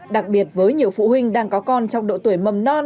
đặc biệt với nhiều phụ huynh đang có con trong độ tuổi mầm non